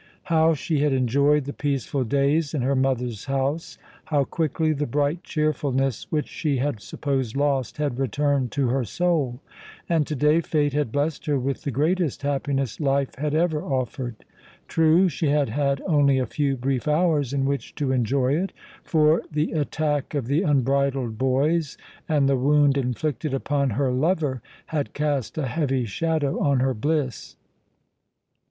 How she had enjoyed the peaceful days in her mother's house! How quickly the bright cheerfulness which she had supposed lost had returned to her soul! and to day Fate had blessed her with the greatest happiness life had ever offered. True, she had had only a few brief hours in which to enjoy it, for the attack of the unbridled boys and the wound inflicted upon her lover had cast a heavy shadow on her bliss.